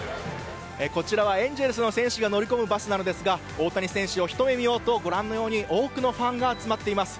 こちらはエンゼルスの選手が乗り込むバスなんですが大谷選手をひと目見ようとご覧のように多くのファンが集まっています。